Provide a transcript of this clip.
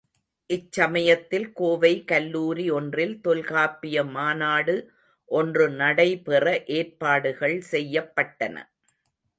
இச்சமயத்தில் கோவை கல்லூரி ஒன்றில் தொல்காப்பிய மாநாடு ஒன்று நடைபெற ஏற்பாடுகள் செய்யப்பட்டன.